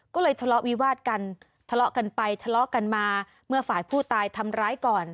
ก็เลยทะเลาะวิวาดกันทะเลาะกันไปทะเลาะกันมาเมื่อฝ่ายผู้ตายทำร้ายก่อน